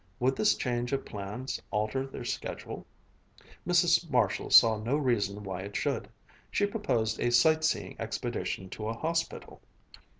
Would this change of plans alter their schedule? Mrs. Marshall saw no reason why it should. She proposed a sightseeing expedition to a hospital.